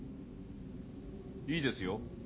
いいですよ。